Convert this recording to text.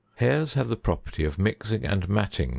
Hairs have the property of mixing and matting so 71.